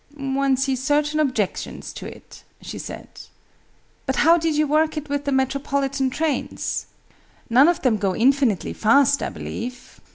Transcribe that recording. "One sees certain objections to it," she said. "But how did you work it with the Metropolitan trains? None of them go infinitely fast, I believe."